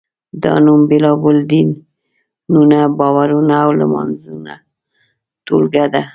دا نوم بېلابېلو دینونو، باورونو او لمانځنو ټولګه ده.